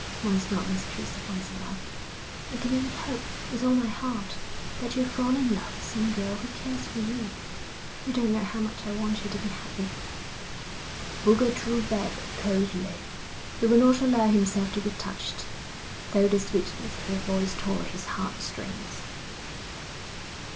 One's not mistress of one's love. I can only hope with all my heart that you'll fall in love with some girl who cares for you. You don't know how much I want you to be happy.' Boulger drew back coldly. He would not allow himself to be touched, though the sweetness of her voice tore his heart strings.